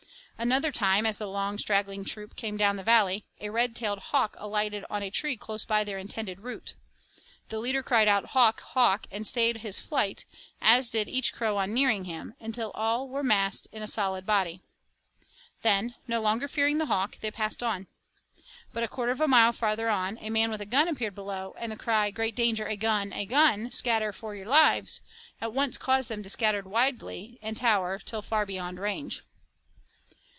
Another time, as the long, straggling troop came down the valley, a red tailed hawk alighted on a tree close by their intended route. The leader cried out, 'Hawk, hawk,' and stayed his flight, as did each crow on nearing him, until all were massed in a solid body. Then, no longer fearing the hawk, they passed on. But a quarter of a mile farther on a man with a gun appeared below, and the cry, 'Great danger a gun, a gun; scatter fur your lives,' at once caused them to scatter widely and tower till far beyond range.